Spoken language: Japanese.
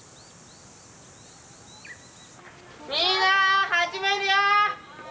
みんな始めるよ！